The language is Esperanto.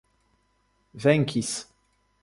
venkis